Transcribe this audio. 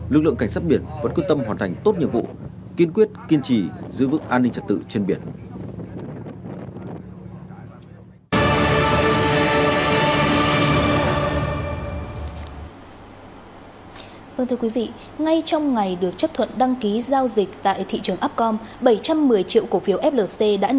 lực lượng cảnh sát biển vẫn quyết tâm hoàn thành tốt nhiệm vụ kiên quyết kiên trì giữ vững an ninh trật tự trên biển